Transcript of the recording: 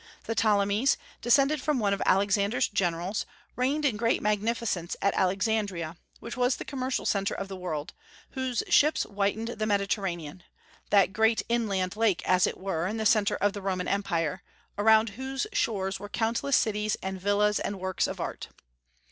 The Ptolemies, descended from one of Alexander's generals, reigned in great magnificence at Alexandria, which was the commercial centre of the world, whose ships whitened the Mediterranean, that great inland lake, as it were, in the centre of the Roman Empire, around whose shores were countless cities and villas and works of art.